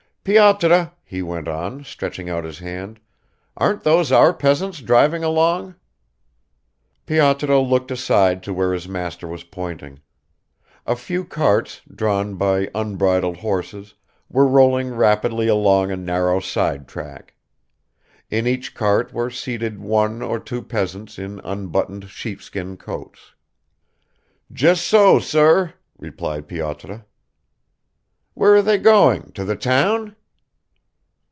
"Pyotr," he went on, stretching out his hand, "aren't those our peasants driving along?" Pyotr looked aside to where his master was pointing. A few carts, drawn by unbridled horses, were rolling rapidly along a narrow side track. In each cart were seated one or two peasants in unbuttoned sheepskin coats. "Just so, sir," replied Pyotr. "Where are they going to the town?"